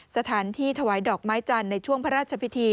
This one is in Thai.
สถานที่ถวายดอกไม้จันทร์ในช่วงพระราชพิธี